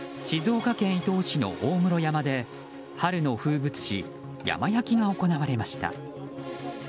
静岡県伊東市の大室山で春の風物詩山焼きが行われました。